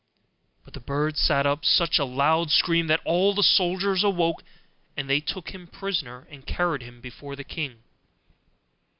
But the bird set up such a loud scream that all the soldiers awoke, and they took him prisoner and carried him before the king.